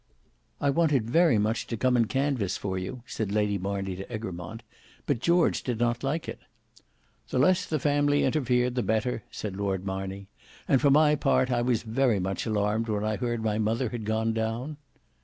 "I wanted very much to come and canvass for you," said Lady Marney to Egremont, "but George did not like it." "The less the family interfered the better," said Lord Marney; "and for my part, I was very much alarmed when I heard my mother had gone down."